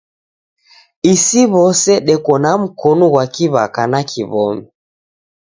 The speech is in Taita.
Isi w'ose deko na mkonu ghwa kiw'aka na kiw'omi.